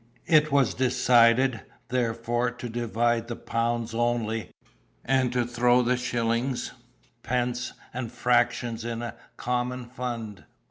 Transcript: It was decided, therefore, to divide the pounds only, and to throw the shillings, pence, and fractions in a common fund.